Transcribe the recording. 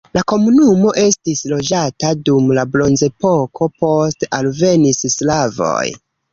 La komunumo estis loĝata dum la bronzepoko, poste alvenis slavoj.